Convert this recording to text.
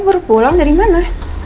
sayang kamu baru pulang dari mana